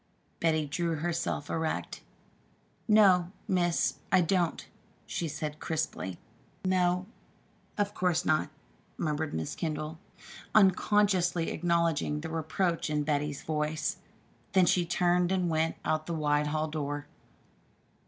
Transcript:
Betty drew herself erect. "No, Miss, I don't," she said crisply. "No, of course not," murmured Miss Kendall, unconsciously acknowledging the reproach in Betty's voice. Then she turned and went out the wide hall door.